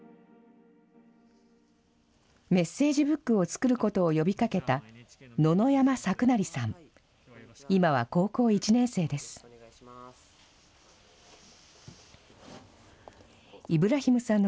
メッセージブックを作ることを呼びかけた、野々山朔成さん。